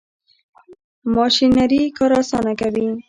ماشینري کار اسانه کوي.